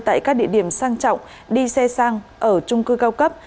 tại các địa điểm sang trọng đi xe sang ở trung cư cao cấp